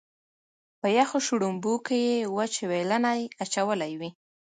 په یخو شړومبو کې یې وچ وېلنی اچولی وي.